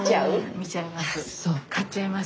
見ちゃいます。